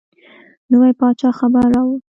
نوي پاچا خبر راووړ.